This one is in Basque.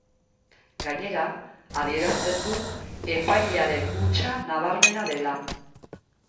Gainera, adierazten du, epailearen hutsa nabarmena dela.